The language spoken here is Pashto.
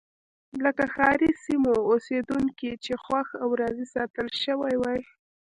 لکه ښاري سیمو اوسېدونکي چې خوښ او راضي ساتل شوي وای.